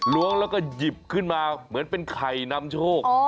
ล้วงแล้วก็หยิบขึ้นมาเหมือนเป็นไข่นำโชค